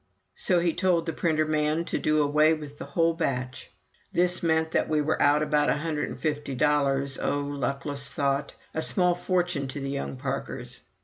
So he told the printer man to do away with the whole batch. This meant that we were out about a hundred and fifty dollars, oh, luckless thought! a small fortune to the young Parkers.